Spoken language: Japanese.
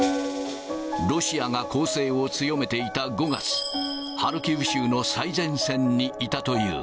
ロシアが攻勢を強めていた５月、ハルキウ州の最前線にいたという。